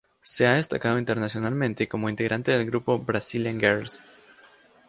Se ha destacado internacionalmente como integrante del grupo Brazilian Girls.